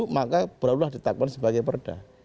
maka bolehlah ditakutkan sebagai perda